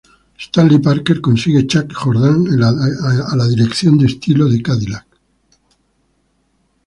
Stanley Parker consigue Chuck Jordan a la dirección de estilo de Cadillac.